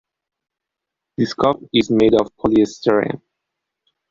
This cup is made of polystyrene.